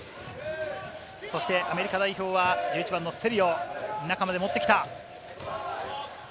アメリカ代表は１１番のセリオ、中まで持ってきた。